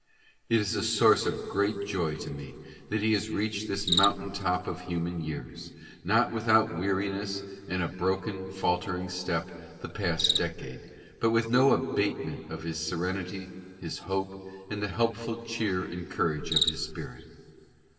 It is a source of great joy to me that he has reached this moun tain top of human years, not without weariness and a broken, fal tering step the past decade, but with no abatement of his serenity, his hope, and the helpful cheer and courage of his spirit.